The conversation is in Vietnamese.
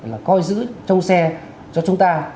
là coi giữ trong xe cho chúng ta